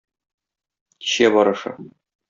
Кичә барышы.